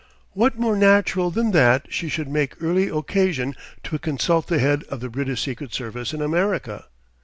What more natural than that she should make early occasion to consult the head of the British Secret Service in America?